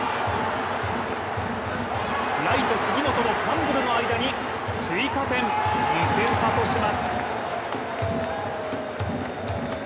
ライト・杉本のファンブルの間に追加点、２点差とします。